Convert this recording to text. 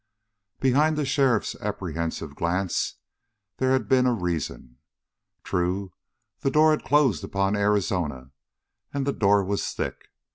27 Behind the sheriff's apprehensive glance there had been reason. True the door had closed upon Arizona, and the door was thick.